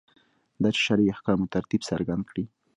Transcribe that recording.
دا چې شرعي احکامو ترتیب څرګند کړي.